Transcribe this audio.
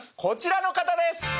こちらの方です